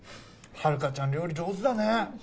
ハルカちゃん料理上手だね。